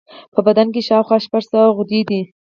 په بدن کې شاوخوا شپږ سوه غدودي دي.